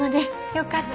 よかった。